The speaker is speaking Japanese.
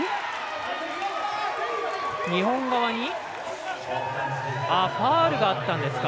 日本側にファウルがあったんですか。